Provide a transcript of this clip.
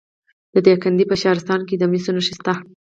د دایکنډي په شهرستان کې د مسو نښې شته.